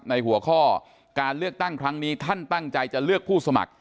หัวข้อการเลือกตั้งครั้งนี้ท่านตั้งใจจะเลือกผู้สมัคร